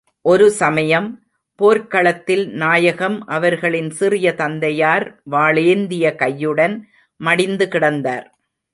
ஒரு சமயம், போர்க் களத்தில் நாயகம் அவர்களின் சிறிய தந்தையார் வாளேந்திய கையுடன் மடிந்து கிடந்தார்.